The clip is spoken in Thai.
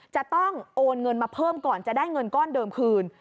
จะต้องโอนเงินมาเพิ่มก่อนจะได้เงินก้อนเดิมคืน